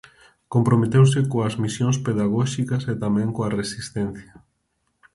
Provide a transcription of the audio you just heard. Comprometeuse coas misións pedagóxicas e tamén coa resistencia.